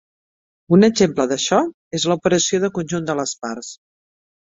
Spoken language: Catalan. Un exemple d'això és l'operació de conjunt de les parts.